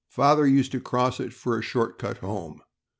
Father used to cross it for a short cut home.